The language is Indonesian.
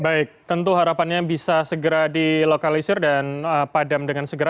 baik tentu harapannya bisa segera dilokalisir dan padam dengan segera